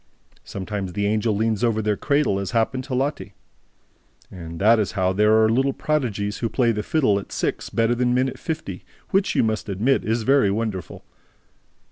Sometimes the Angel leans over their cradle, as happened to Lotte, and that is how there are little prodigies who play the fiddle at six better than men at fifty, which, you must admit, is very wonderful.